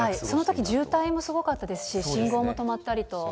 そのとき渋滞もすごかったので、信号も止まったりと。